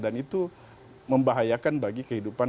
dan itu membahayakan bagi kehidupan